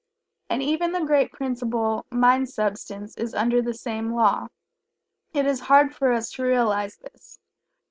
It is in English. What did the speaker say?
And even the great principle, Mind substance, is under the same law. It is hard for us to realize this.